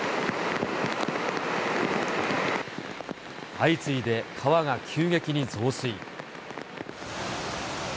相次いで川が急激に増水。